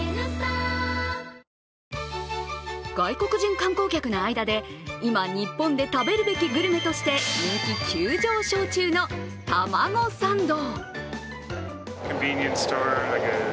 外国人観光客の間で今、日本で食べるべきグルメとして人気急上昇中のタマゴサンド。